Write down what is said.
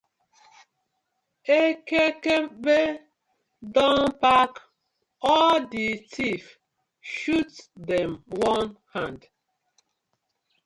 Ekekebe don pack all the thief shoot dem one hand.